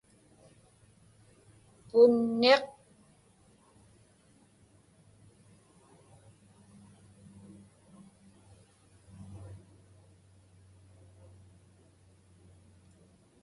punniq